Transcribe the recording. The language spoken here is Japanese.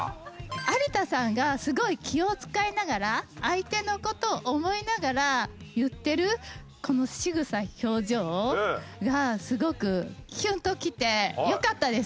有田さんがすごい気を使いながら相手の事を思いながら言ってるこのしぐさ表情がすごくキュンときてよかったです。